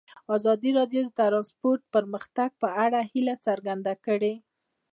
ازادي راډیو د ترانسپورټ د پرمختګ په اړه هیله څرګنده کړې.